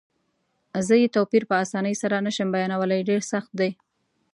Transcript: زه یې توپیر په اسانۍ سره نه شم بیانولای، ډېر سخت دی.